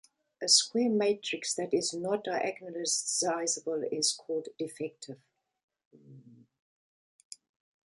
A square matrix that is not diagonalizable is called defective.